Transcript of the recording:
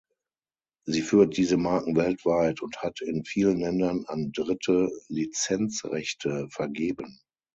Sie führt diese Marken weltweit und hat in vielen Ländern an Dritte Lizenzrechte vergeben.